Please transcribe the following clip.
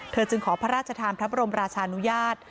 เธอจึงขอพระราชธรรมราชานุญาต